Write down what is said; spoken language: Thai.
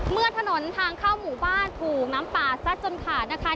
เมื่อถนนทางเข้าหมู่บ้านถูกน้ำป่าซัดจนขาดนะคะ